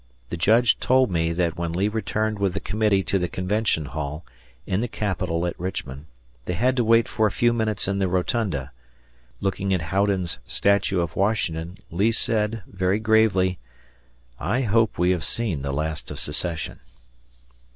The judge told me that when Lee returned with the committee to the convention hall, in the Capitol at Richmond, they had to wait for a few minutes in the rotunda. Looking at Houdon's statue of Washington, Lee said, very gravely, "I hope we have seen the last of secession."